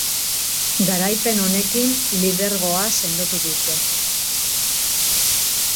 Garaipen honekin, lidergoa sendotu dute.